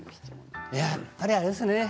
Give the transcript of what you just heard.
やっぱりあれですね。